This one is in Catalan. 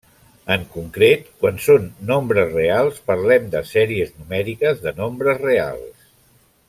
En concret, quan són nombres reals parlem de sèries numèriques de nombres reals.